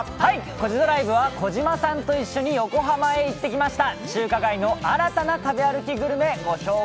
「コジドライブ」は児嶋さんと一緒に横浜に行ってきました。